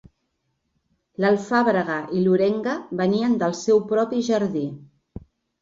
L'alfàbrega i l'orenga venien del seu propi jardí.